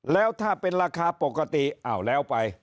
แล้วถ้าเป็นราคาปกติอ้าวแล้วไป